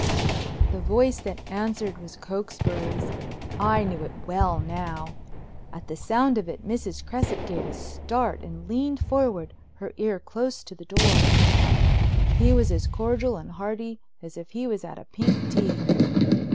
The voice that answered was Cokesbury's; I knew it well now. At the sound of it Mrs. Cresset gave a start and leaned forward, her ear close to the door. He was as cordial and hearty as if he was at a pink tea.